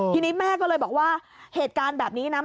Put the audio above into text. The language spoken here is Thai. ทีนี้แม่ก็เลยบอกว่าเหตุการณ์แบบนี้นะ